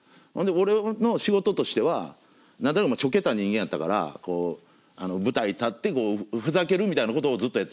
俺の仕事としては何となくちょけた人間やったから舞台立ってふざけるみたいなことをずっとやってたの。